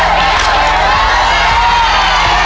เริ่มครับ